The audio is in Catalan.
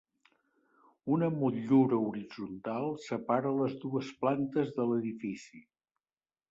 Una motllura horitzontal separa les dues plantes de l'edifici.